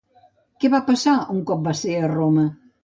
Què va passar un cop va ser a Roma?